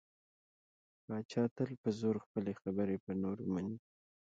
پاچا تل په زور خپلې خبرې په نورو مني .